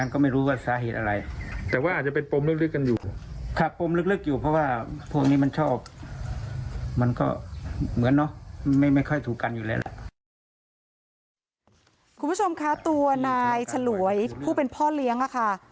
คุณผู้ชมคะตัวนายฉลวยผู้เป็นพ่อเลี้ยงค่ะ